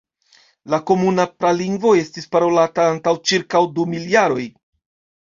La komuna pralingvo estis parolata antaŭ ĉirkaŭ du mil jaroj.